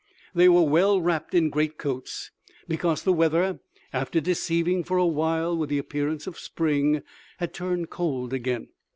They were well wrapped in great coats, because the weather, after deceiving for a while with the appearance of spring, had turned cold again.